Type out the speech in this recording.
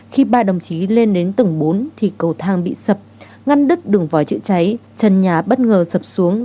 khi ba đồng chí lên đến tầng bốn thì cầu thang bị sập ngăn đứt đường vòi chữa cháy trần nhà bất ngờ sập xuống